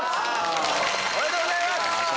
おめでとうございます！